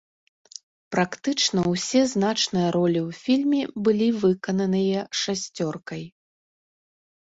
Практычна ўсе значныя ролі ў фільме былі выкананыя шасцёркай.